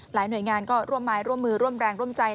หน่วยงานก็ร่วมไม้ร่วมมือร่วมแรงร่วมใจ